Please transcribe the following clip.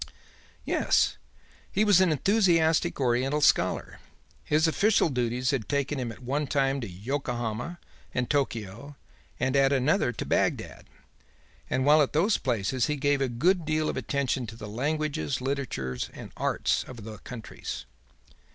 "Yes. He was an enthusiastic Oriental scholar. His official duties had taken him at one time to Yokohama and Tokio and at another to Bagdad, and while at those places he gave a good deal of attention to the languages, literature and arts of the countries.